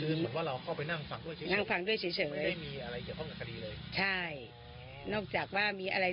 คือเราเข้าไปนั่งฟังด้วยเฉยไม่ได้มีอะไรเกี่ยวข้องกับคดีเลย